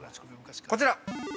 ◆こちら。